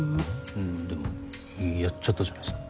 うんでもやっちゃったじゃないっすか。